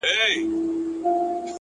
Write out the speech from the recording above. هوډ د ستونزو منځ کې لار جوړوي!